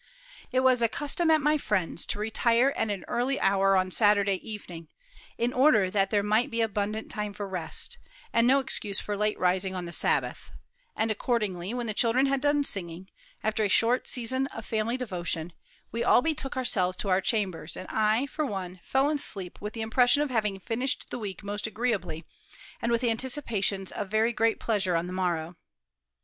It was a custom at my friend's to retire at an early hour on Saturday evening, in order that there might be abundant time for rest, and no excuse for late rising on the Sabbath; and, accordingly, when the children had done singing, after a short season of family devotion, we all betook ourselves to our chambers, and I, for one, fell asleep with the impression of having finished the week most agreeably, and with anticipations of very great pleasure on the morrow.